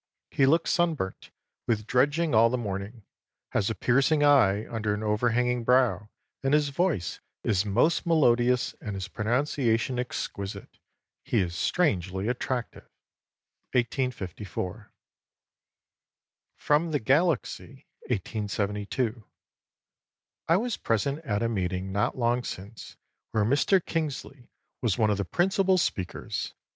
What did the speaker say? He looks sunburnt with dredging all the morning, has a piercing eye under an overhanging brow, and his voice is most melodious and his pronunciation exquisite. He is strangely attractive." 1854. [Sidenote: The Galaxy, 1872.] "I was present at a meeting not long since where Mr. Kingsley was one of the principal speakers.